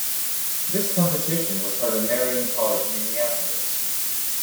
This competition was held at Marian College in Indianapolis.